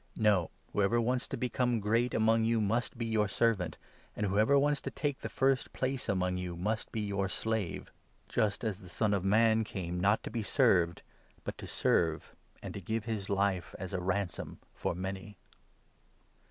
No, whoever wants to become great 26, among you must be your servant, and whoever wants to take the first place among you, must be your slave ; just as the 28 9 Hos. 6. a, 80 MATTHEW, 2O— 21. Son of Man came, not to be served, but to serve, and to give his life as a ransom for many.